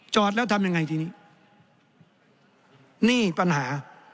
จอดแล้วทำยังไงทีนี้นี่ปัญหา